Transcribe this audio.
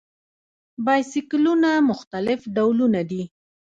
بایسکلونه مختلف ډوله دي.